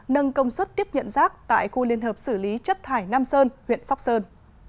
nâng công suất tiếp nhận rác tại khu liên hợp xử lý chất thải nam sơn huyện sóc sơn